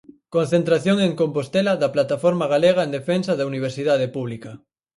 Concentración en Compostela da Plataforma Galega en Defensa da Universidade Pública.